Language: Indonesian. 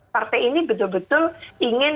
partai ini betul betul ingin